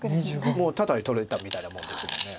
もうタダで取れたみたいなもんですもんね。